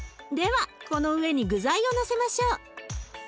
ではこの上に具材をのせましょう。